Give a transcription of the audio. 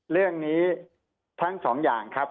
เรื่องนี้ทั้งสองอย่างครับ